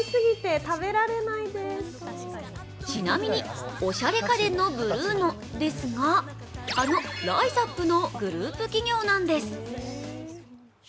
ちなみにおしゃれ家電のＢＲＵＮＯですが、あのライザップのグループ企業なんです。